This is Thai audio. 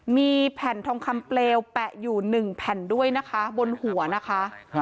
มีแผ่นทองคำเปลวแปะอยู่๑แผ่นด้วยนะคะบนหัวนะคะ